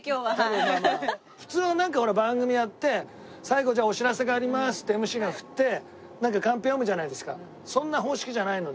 普通はなんかほら番組やって最後「じゃあお知らせがあります」ってＭＣが振ってなんかカンペ読むじゃないですか。